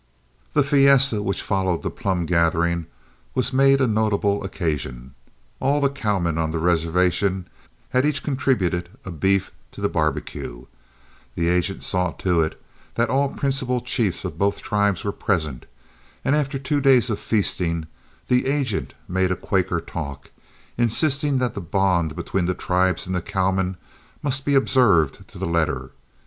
The fiesta which followed the plum gathering was made a notable occasion. All the cowmen on the reservation had each contributed a beef to the barbecue, the agent saw to it that all the principal chiefs of both tribes were present, and after two days of feasting, the agent made a Quaker talk, insisting that the bond between the tribes and the cowmen must be observed to the letter.